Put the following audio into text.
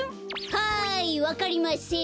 はいわかりません。